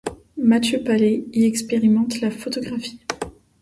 Matthieu Paley y expérimente la photographie.